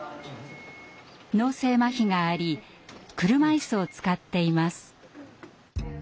脳性まひがあり車いすを使っています。